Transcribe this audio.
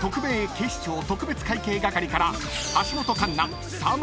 警視庁特別会計係』から橋本環奈沢村